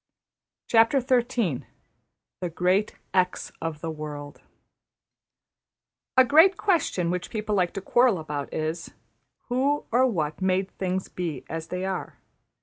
\chapter{The Great $x$ of the World} A great question which people like to quarrel about is: Who or What made things be as they are?